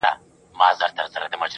ابنسینا د علم په تعریف کې